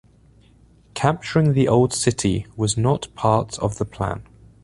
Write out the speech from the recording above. Capturing the Old City was not part of the plan.